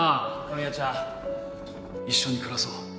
若宮ちゃん一緒に暮らそう